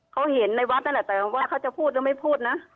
เขาเห็นในวัดนั่นแหละแต่ว่าเขาจะพูดหรือไม่พูดนะ